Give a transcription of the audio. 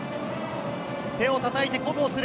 手をたたいて鼓舞をする。